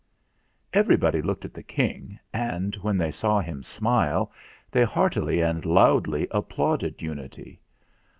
Everybody looked at the King and, when they saw him smile, they heartily and loudly applauded Unity.